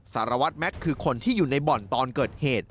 สารวัตรแม็กซ์คือคนที่อยู่ในบ่อนตอนเกิดเหตุ